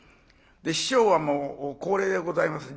師匠はもう高齢でございます。